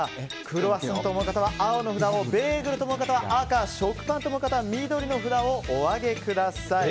クロワッサンだと思う方は青の札をベーグルだと思う方は赤食パンと思う方は緑の札をお上げください。